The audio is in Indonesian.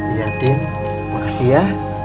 iya tin makasih ya